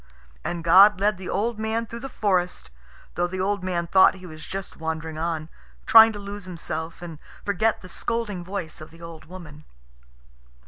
And God led the old man through the forest, though the old man thought he was just wandering on, trying to lose himself and forget the scolding voice of the old woman.